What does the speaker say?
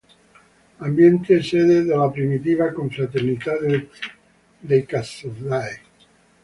Ambiente sede della primitiva Confraternita dei Calzolai.